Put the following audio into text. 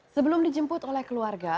sebelum dijemput oleh keluarga